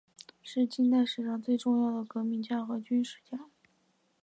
是近代史上重要的革命家和军事家。